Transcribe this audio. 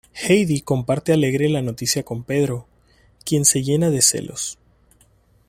Heidi comparte la alegre noticia con Pedro, quien se llena de celos.